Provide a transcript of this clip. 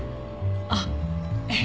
あっええ